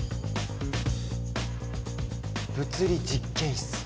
物理実験室。